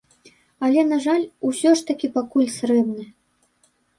Але, на жаль, усё ж такі пакуль срэбны.